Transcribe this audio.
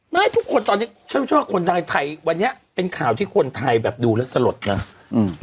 ไม่ทุกคนตอนนี้ฉันเชื่อว่าคนไทยไทยวันนี้เป็นข่าวที่คนไทยแบบดูแล้วสลดนะอืม